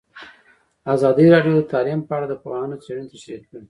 ازادي راډیو د تعلیم په اړه د پوهانو څېړنې تشریح کړې.